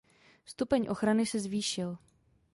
Stupeň ochrany se zvýšil.